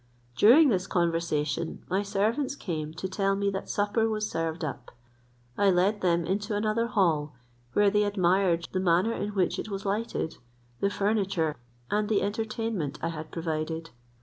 During this conversation, my servants came to tell me that supper was served up. I led them into another hall, where they admired the manner in which it was lighted, the furniture, and the entertainment I had provided.